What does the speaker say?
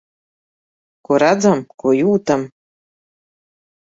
Ko redzam, ko jūtam.